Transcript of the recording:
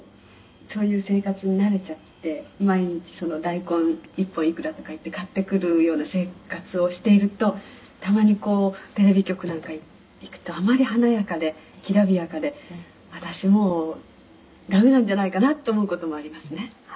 「そういう生活に慣れちゃって毎日大根１本いくらとかいって買ってくるような生活をしているとたまにこうテレビ局なんか行くとあまり華やかできらびやかで私もうダメなんじゃないかなと思う事もありますね」